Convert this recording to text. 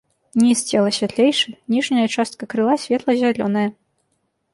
Ніз цела святлейшы, ніжняя частка крыла светла-зялёная.